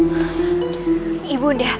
kisah kisah yang menyebabkan kejahatan